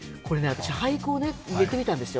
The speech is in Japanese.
俳句をね、入れてみたんですよ。